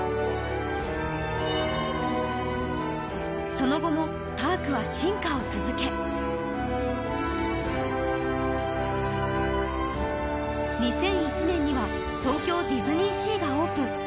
その後もパークは進化を続け２００１年には東京ディズニーシーがオープン。